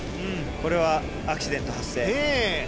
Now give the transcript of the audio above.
これはアクシデント発生。